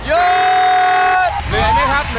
ไม่เหนื่อยเลยนะครับ